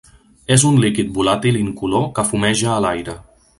És un líquid volàtil incolor que fumeja a l'aire.